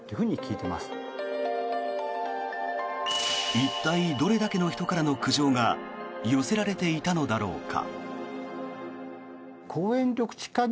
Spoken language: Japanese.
一体どれだけの人からの苦情が寄せられていたのだろうか。